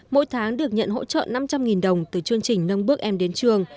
mỗi tháng được nhận hỗ trợ năm trăm linh đồng từ chương trình nâng bước em đến trường